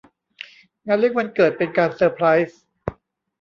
งานเลี้ยงวันเกิดเป็นการเซอร์ไพรส์